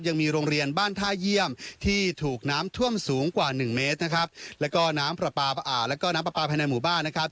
ยังมีโรงเรียนบ้านท่าเยี่ยมที่ถูกน้ำท่วมสูงกว่าหนึ่งเมตรนะครับแล้วก็น้ำแล้วก็น้ำปลาปลาภายในหมู่บ้านนะครับ